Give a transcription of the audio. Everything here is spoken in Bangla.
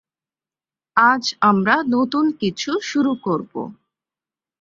আজ আমরা নতুন কিছু শুরু করব।